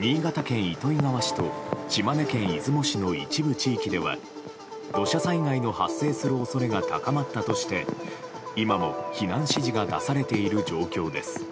新潟県糸魚川市と島根県出雲市の一部地域では土砂災害の発生する恐れが高まったとして今も避難指示が出されている状況です。